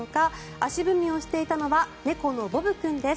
足踏みをしていたのは猫のボブ君です。